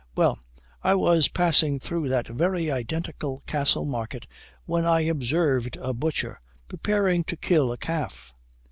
Well, I was passing through that very identical Castle Market, when I observed a butcher preparing to kill a calf.